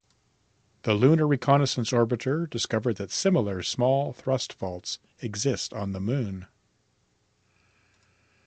The Lunar Reconnaissance Orbiter discovered that similar small thrust faults exist on the Moon.